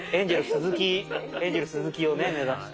エンジェル鈴木を目指して。